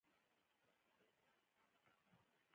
د قیمتي ډبرو قاچاق ملي خیانت دی.